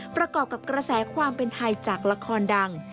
ประกอบกับกระแสความเป็นไทยจากละครดัง